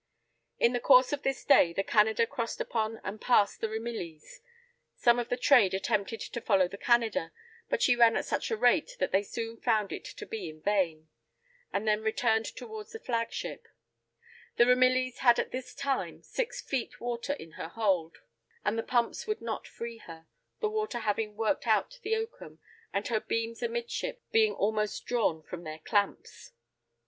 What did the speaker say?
In the course of this day the Canada crossed upon and passed the Ramillies; some of the trade attempted to follow the Canada, but she ran at such a rate that they soon found it to be in vain, and then returned towards the flag ship; the Ramillies had at this time six feet water in her hold, and the pumps would not free her, the water having worked out the oakum, and her beams amid ship being almost drawn from their clamps.